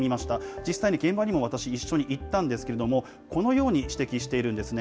実際に現場にも私、一緒に行ったんですけれども、このように指摘しているんですね。